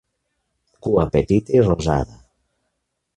Cua petita i rosada.